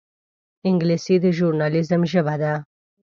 انګلیسي د ژورنالېزم ژبه ده